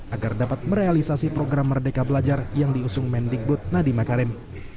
agar dapat merealisasi program merdeka belajar yang diusung mendikbud nadiem akarim